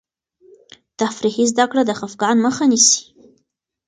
تفریحي زده کړه د خفګان مخه نیسي.